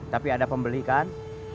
tapi ada pembeli kan